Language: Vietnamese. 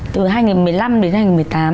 từ hai nghìn một mươi năm đến hai nghìn một mươi tám